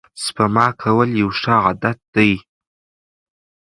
سپما کول یو ښه عادت دی.